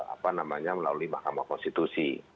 apa namanya melalui mahkamah konstitusi